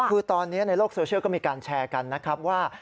คือตอนนี้ในโลกโซเชียลก็มีการแชร์กันนะครับว่า